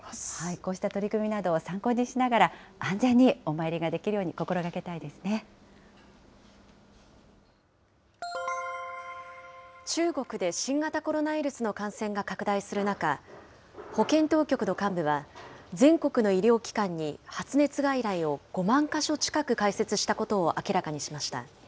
こうした取り組みなどを参考にしながら、安全にお参りができ中国で新型コロナウイルスの感染が拡大する中、保健当局の幹部は、全国の医療機関に発熱外来を５万か所近く開設したことを明らかにしました。